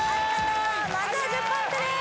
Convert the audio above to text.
まずは１０ポイントです